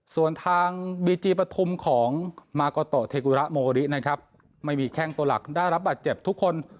ส่วนทางบีจีปฐุมของมาโกโตเทกุระโมรินะครับไม่มีแข้งตัวหลักได้รับบาดเจ็บทุกคน